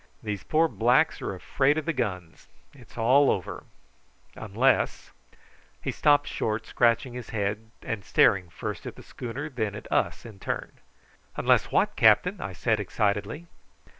"These poor blacks are afraid of the guns. It's all over unless " He stopped short, scratching his head, and staring first at the schooner and then at us in turn. "Unless what, captain?" I said excitedly.